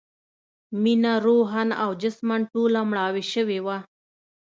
مينه روحاً او جسماً ټوله مړاوې شوې وه